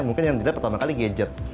mungkin yang tidak pertama kali gadget